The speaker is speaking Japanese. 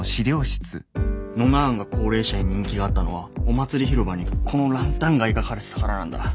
ノナ案が高齢者に人気があったのはお祭り広場にこのランタンが描かれてたからなんだ。